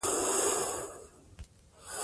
د پوهې ډېوه باید بلنده وساتو.